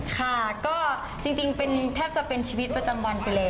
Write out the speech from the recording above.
ค่ะก็จริงเป็นแทบจะเป็นชีวิตประจำวันไปแล้ว